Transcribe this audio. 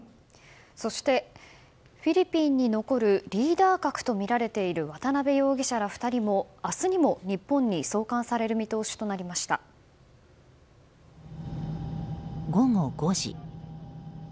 そして、フィリピンに残るリーダー格とみられる渡辺容疑者ら２人も明日にも日本に午後５時。